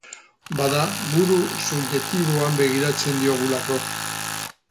Bada, modu subjektiboan begiratzen diogulako.